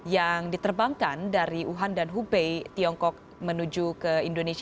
yang diterbangkan dari wuhan dan hubei tiongkok menuju ke indonesia